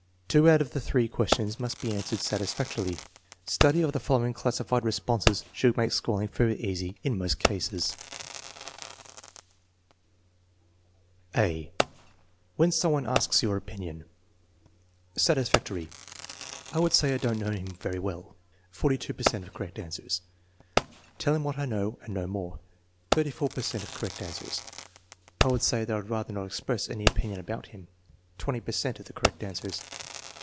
Two out of the three questions must be answered satisfactorily. Study of the following classified responses should make scoring fairly easy in most cases: (a) When some one asks your opinion Satisfactory. "I would say I don't know him very well" (42 per cent of tie correct answers). "Tell him what I know and no more" (34 per cent of correct answers). "I would say that I'd TEST NO. X, 5 269 rather not express any opinion about him" (0 per cent of the correct answers).